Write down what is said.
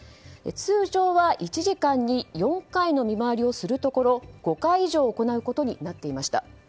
通常は１時間に４回の見回りをするところ５回以上行うことになっていました。